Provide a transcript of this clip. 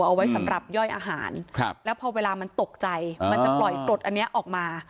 เอาไว้สำหรับย่อยอาหารแล้วพอเวลามันตกใจมันจะปล่อยกรดอันนี้ออกมา